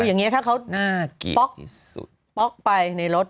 ดูอย่างนี้ถ้าเขาป๊อกไปในรถ